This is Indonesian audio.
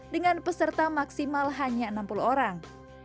dengan peserta maksimal hanya enam puluh orang